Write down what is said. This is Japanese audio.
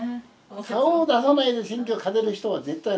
顔を出さないで選挙勝てる人は絶対いないから。